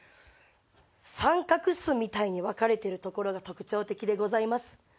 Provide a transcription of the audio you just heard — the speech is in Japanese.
三角州みたいに分かれてる所が特徴的でございます。